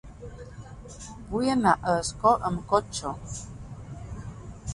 Vull anar a Ascó amb cotxe.